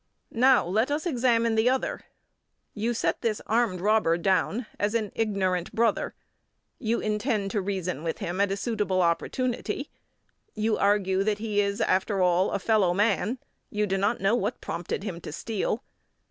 Now let us examine the other. You set this armed robber down as an ignorant brother; you intend to reason with him at a suitable opportunity; you argue that he is, after all, a fellow man; you do not know what prompted him to steal.